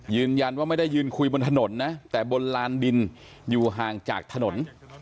ยืนยันว่าไม่ได้ยืนคุยบนถนนนะแต่บนลานดินอยู่ห่างจากถนน